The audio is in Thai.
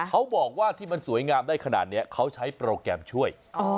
เขาบอกว่าที่มันสวยงามได้ขนาดนี้เขาใช้โปรแกรมช่วย